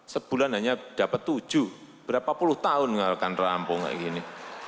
sebulan hanya dapat tujuh berapa puluh tahun rampung kayak gini